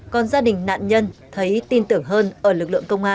còn gia đình nạn nhân thấy tin tưởng hơn ở lực lượng công an